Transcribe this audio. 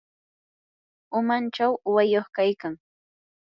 umanchaw uwayuq kaykan.